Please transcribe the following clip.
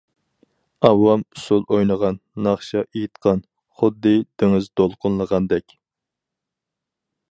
ئاۋام ئۇسۇل ئوينىغان، ناخشا ئېيتقان، خۇددى دېڭىز دولقۇنلىغاندەك.